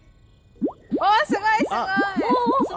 おおすごいすごい！